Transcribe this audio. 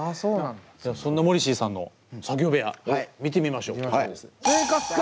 じゃあそんなモリシーさんの作業部屋を見てみましょう。